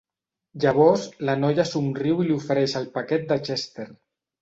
Llavors la noia somriu i li ofereix el paquet de Chester.